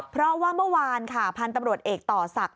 เพราะว่าเมื่อวานค่ะพันธุ์ตำรวจเอกต่อศักดิ